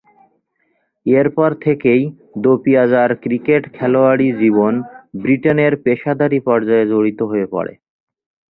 এরপর থেকেই দেপিয়াজা’র ক্রিকেট খেলোয়াড়ী জীবন ব্রিটেনের পেশাদারী পর্যায়ে জড়িত হয়ে পড়ে।